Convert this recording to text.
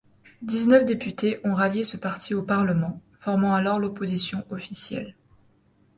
Dix-neuf députés ont rallié ce parti au parlement, formant alors l'opposition officielle.